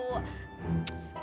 gua enggak pernah